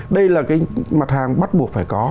đây là cái mặt hàng bắt buộc phải có